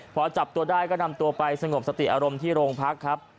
พอจับตัวได้ก็นำตัวไปสงบสติอารมณ์ที่โรงพักครับ